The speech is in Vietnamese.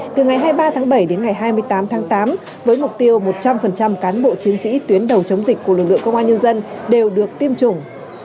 từ ngày hai mươi ba tháng bảy đến ngày hai mươi tám tháng tám với mục tiêu một trăm linh cán bộ chiến sĩ tuyến đầu chống dịch của lực lượng công an nhân dân đều được tiêm chủng